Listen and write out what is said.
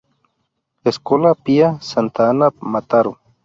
Escola Pia Santa Anna Mataró